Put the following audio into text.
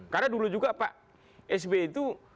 karena dulu juga pak s b itu